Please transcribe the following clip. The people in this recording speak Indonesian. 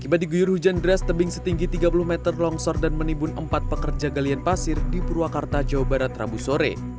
tiba diguyur hujan deras tebing setinggi tiga puluh meter longsor dan menimbun empat pekerja galian pasir di purwakarta jawa barat rabu sore